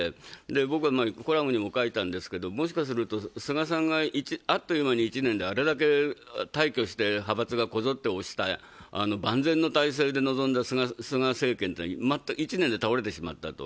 僕はコラムにも書いたんですけれども、もしかすると菅さんがあっという間に１年で、あれだけ退去して派閥がこぞって推した、万全の態勢で臨んだ菅政権が１年で倒れてしまった。